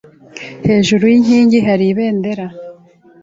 Hejuru yinkingi hari ibendera.